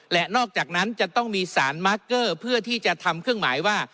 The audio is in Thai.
และนอกจากนั้นจะต้องมีสารมาร์คเกอร์เพื่อที่จะทำเครื่องหมายว่า